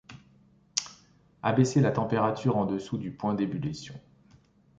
Abaisser la température en dessous du point d'ébullition.